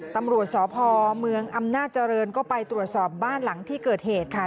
ตำรวจสพเมืองอำนาจริงก็ไปตรวจสอบบ้านหลังที่เกิดเหตุค่ะ